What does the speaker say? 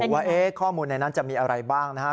ว่าข้อมูลในนั้นจะมีอะไรบ้างนะครับ